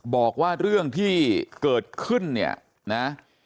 บอกว่าเรื่องที่เกิดขึ้นเนี่ยนะ